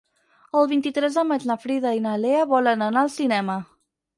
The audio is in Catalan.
El vint-i-tres de maig na Frida i na Lea volen anar al cinema.